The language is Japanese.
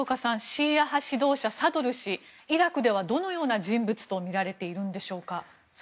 シーア派指導者、サドル師イラクではどのような人物とみられていますか。